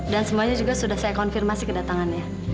dan semuanya juga sudah saya konfirmasi kedatangannya